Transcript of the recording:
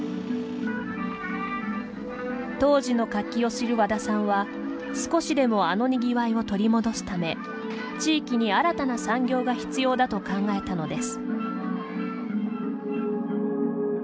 当時の活気を知る和田さんは少しでもあの賑わいを取り戻すため地域に新たな産業が必要だと考えたのです。